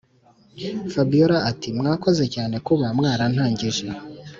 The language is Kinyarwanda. fabiora ati”mwarakoze cyane kuba mwarantangije